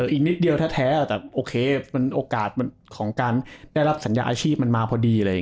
อีกนิดเดียวแทบโอเคโอกาสของการได้รับสัญญาณอาชีพมาพอดี